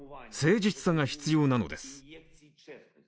誠実さが必要なのです。